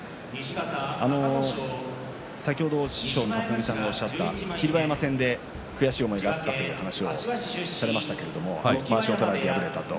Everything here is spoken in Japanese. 先ほど師匠の立浪さんがおっしゃった霧馬山戦で悔しい思いがあったという話もされましたけれども足を取られて敗れたと。